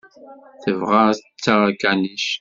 Tebɣa ad d-taɣ akanic.